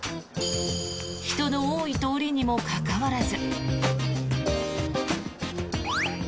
人の多い通りにもかかわらず。